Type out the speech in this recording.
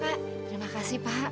terima kasih banyak ya pak